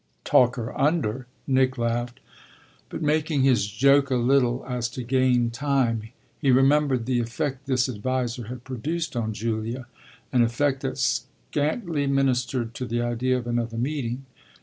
"Talk her under!" Nick laughed but making his joke a little as to gain time. He remembered the effect this adviser had produced on Julia an effect that scantly ministered to the idea of another meeting.